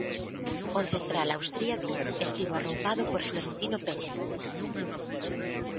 O central austríaco estivo arroupado por Florentino Pérez.